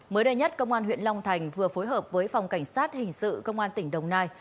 mới đây nhất công an huyện long thành vừa phối hợp với phòng cảnh sát hình sự công an tỉnh đồng nai